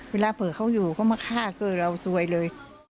เวลาเผลอเขาอยู่ก็มาฆ่าเกินเราซวยเลย